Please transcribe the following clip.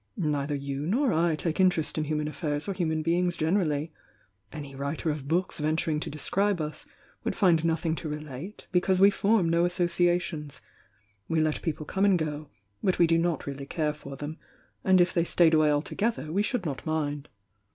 Neither you nor I take interest in human affairs or human beings generally; any writer of books venturing to describe us, would find nothing to relate, because we form no associations. We let people come and go, — but we do not really care for them, and if they stayed away altogether we should not mind."